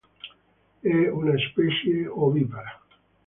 È una specie ovipara.